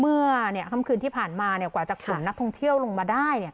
เมื่อค่ำคืนที่ผ่านมากว่าจะกลุ่มนักท่องเที่ยวลงมาได้